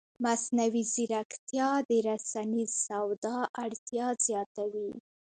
مصنوعي ځیرکتیا د رسنیز سواد اړتیا زیاتوي.